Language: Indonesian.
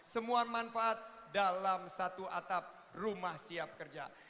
semua manfaat dalam satu atap rumah siap kerja